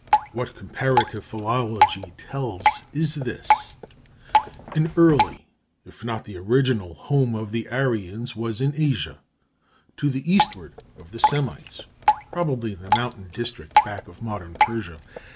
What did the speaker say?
What comparative philology tells is this: An early, if not the original, home of the Aryans was in Asia, to the eastward of the Semites, probably in the mountain district back of modern Persia.